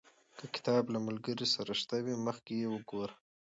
که کتاب له ملګرو سره شته وي، مخکې یې وګورئ.